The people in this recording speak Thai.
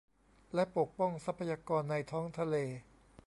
และปกป้องทรัพยากรในท้องทะเล